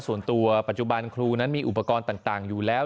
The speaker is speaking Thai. ส่วนตัวปัจจุบันครูนั้นมีอุปกรณ์ต่างอยู่แล้ว